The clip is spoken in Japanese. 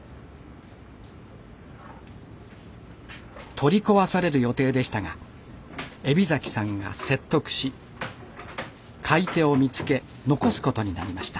取り壊される予定でしたが海老さんが説得し買い手を見つけ残すことになりました。